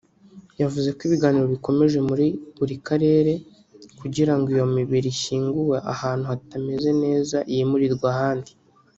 yavuze ko ibiganiro bikomeje muri buri karere kubira ngo iyo mibiri ishyinguwe ahantu hatameze neza yimurirwe ahandi